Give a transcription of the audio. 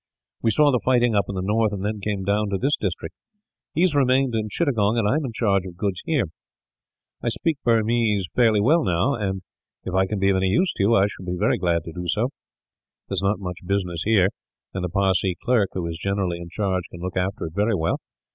We saw the fighting up in the north, and then came down to this district. He has remained at Chittagong, and I am in charge of goods here. I speak Burmese fairly now and, if I can be of any use to you, I shall be very glad to be so. There is not much business here; and the Parsee clerk, who is generally in charge, can look after it very well.